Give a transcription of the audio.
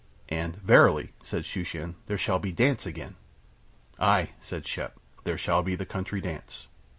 And "Verily," said Shooshan, "there shall be the dance again." "Aye," said Shep, "there shall be the country dance."